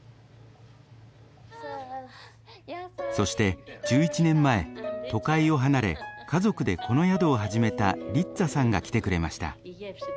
そして１１年前都会を離れ家族でこの宿を始めたリッツァさんが来てくれました。